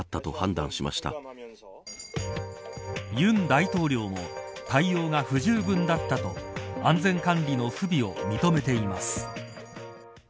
尹大統領も対応が不十分だったと安全管理の不備を認めています。